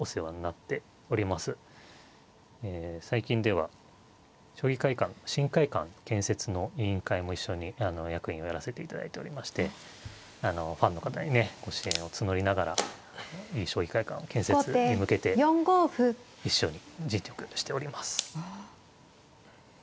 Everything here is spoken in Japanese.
最近では将棋会館の新会館建設の委員会も一緒に役員をやらせていただいておりましてファンの方にねご支援を募りながらいい将棋会館建設に向けて一緒に尽力しております。